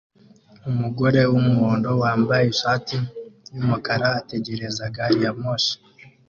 Umugore wumuhondo wambaye ishati yumukara ategereza gari ya moshi